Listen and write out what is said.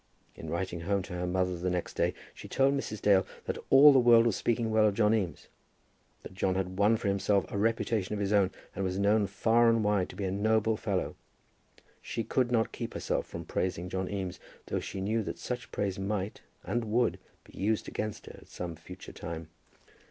In writing home to her mother the next day, she told Mrs. Dale that all the world was speaking well of John Eames, that John had won for himself a reputation of his own, and was known far and wide to be a noble fellow. She could not keep herself from praising John Eames, though she knew that such praise might, and would, be used against her at some future time.